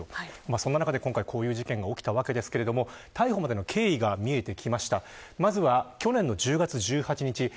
その中でこういう事件が起きたわけですが、逮捕までの経緯が見えてきました。